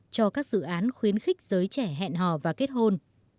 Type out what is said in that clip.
cho các dự án khuyến khích giới trẻ hẹn hò và kết hôn